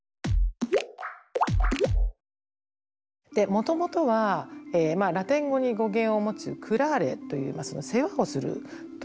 もともとはラテン語に語源を持つクラーレという世話をするという意味。